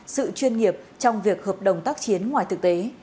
sự chuyên nghiệp trong việc hợp đồng tác chiến ngoài thực tế